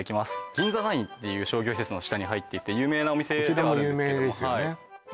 銀座ナインっていう商業施設の下に入っていて有名なお店ではあるんですけどもこちらも有名ですよね